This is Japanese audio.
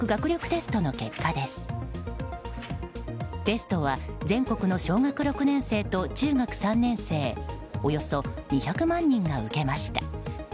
テストは、全国の小学６年生と中学３年生およそ２００万人が受けました。